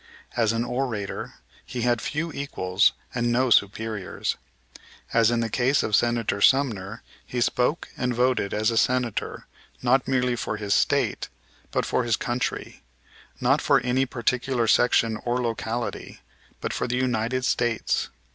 As an orator he had few equals and no superiors. As in the case of Senator Sumner he spoke and voted as a Senator not merely for his State, but for his country; not for any particular section or locality, but for the United States.